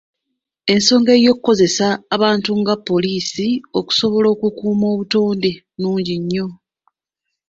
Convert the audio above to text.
Ensonga ey’okukozesa abantu nga poliisi okusobola okukuuma obutonde nnungi nnyo.